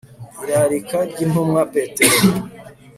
Irarika ryIntumwa Petero